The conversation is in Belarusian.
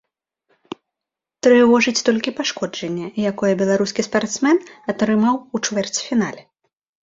Трывожыць толькі пашкоджанне, якое беларускі спартсмен атрымаў у чвэрцьфінале.